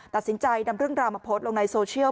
ตัดสินใจนำเรื่องราวมาโพสต์ลงในโซเชียล